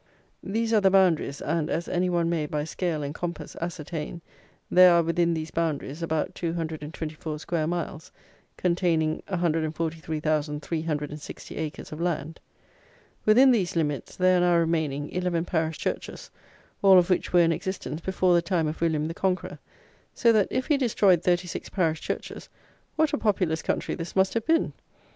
These are the boundaries; and (as any one may, by scale and compass, ascertain), there are, within these boundaries, about 224 square miles, containing 143,360 acres of land. Within these limits there are now remaining eleven parish churches, all of which were in existence before the time of William the Conqueror; so that, if he destroyed thirty six parish churches, what a populous country this must have been!